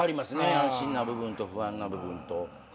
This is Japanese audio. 安心な部分と不安な部分と。